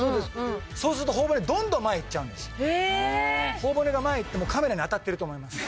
頬骨が前行ってもうカメラに当たってると思います。